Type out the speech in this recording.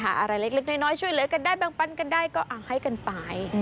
อะไรเล็กน้อยช่วยเหลือกันได้แบ่งปันกันได้ก็ให้กันไป